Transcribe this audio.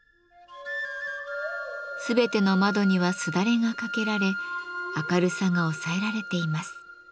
全ての窓にはすだれが掛けられ明るさが抑えられています。